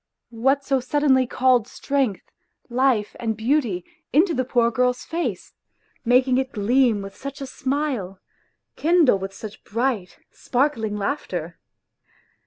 What so suddenly called strength, life and beauty into the poor girl's face, making it gleam with such a smile, kindle with such bright, sparkling laughter